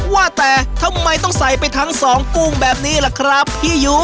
ว่าแต่ทำไมต้องใส่ไปทั้งสองกุ้งแบบนี้ล่ะครับพี่ยุ